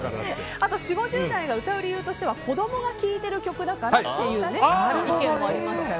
あと４０５０代の歌う理由としては子供が聴いている曲だからという意見もありましたよ。